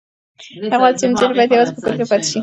هغه وویل چې نجونې باید یوازې په کور کې پاتې شي.